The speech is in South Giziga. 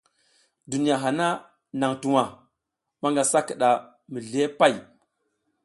Duniya hana nang tuwa, manga sa kida mizli pay.